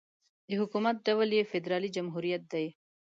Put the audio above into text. د حکومت ډول یې فدرالي جمهوريت دی.